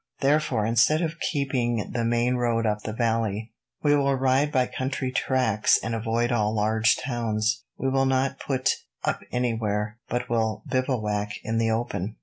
Therefore, instead of keeping the main road up the valley, we will ride by country tracks and avoid all large towns. We will not put up anywhere, but will bivouac in the open.